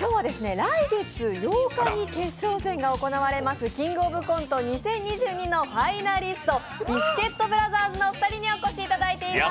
今日は来月８日に決勝戦が行われます「キングオブコント２０２２」のファイナリストビスケットブラザーズのお二人にお越しいただいています。